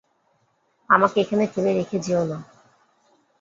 আমাকে এখানে ফেলে রেখে যেয়ো না।